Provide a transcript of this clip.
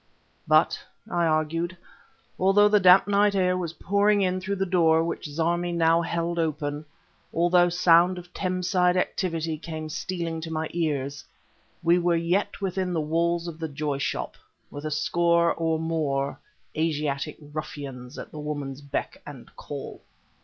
But, I argued, although the damp night air was pouring in through the door which Zarmi now held open, although sound of Thames side activity came stealing to my ears, we were yet within the walls of the Joy Shop, with a score or more Asiatic ruffians at the woman's beck and call....